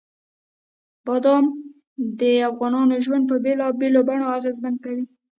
بادام د افغانانو ژوند په بېلابېلو بڼو اغېزمن کوي.